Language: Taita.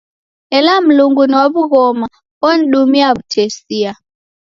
Ela Mlungu ni wa w'ughoma onidumia w'utesia.